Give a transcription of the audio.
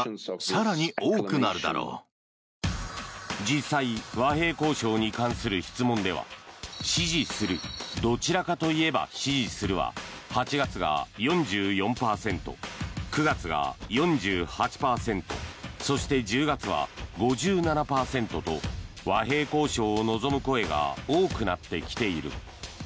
実際和平交渉に関する質問では支持するどちらかといえば支持するは８月が４４％、９月が４８％そして１０月は５７％と和平交渉を望む声が多くなってきている。